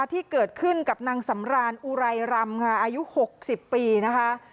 ที่เกิดขึ้นกับนางสำรานอุไรรำค่ะอายุ๖๐ปีนะคะ